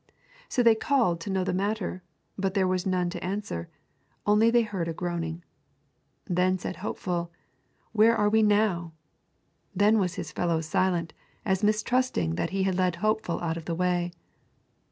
So they called to know the matter, but there was none to answer, only they heard a groaning. Then said Hopeful: Where are we now? Then was his fellow silent, as mistrusting that he had led Hopeful out of the way.